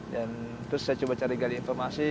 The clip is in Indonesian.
terus saya coba cari gali informasi